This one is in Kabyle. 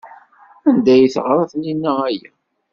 Anda ay teɣra Taninna aya?